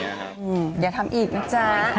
อย่าทำอีกนะจ๊ะ